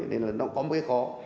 nên là nó có một cái khó